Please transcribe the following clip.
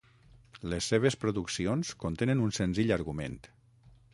Les seves produccions contenen un senzill argument.